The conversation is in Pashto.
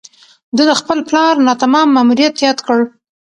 ده د خپل پلار ناتمام ماموریت یاد کړ.